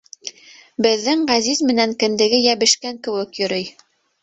Беҙҙең Ғәзиз менән кендеге йәбешкән кеүек йөрөй.